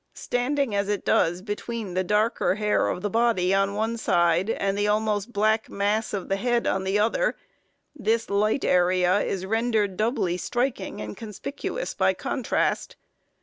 Standing as it does between the darker hair of the body on one side and the almost black mass of the head on the other, this light area is rendered doubly striking and conspicuous by contrast.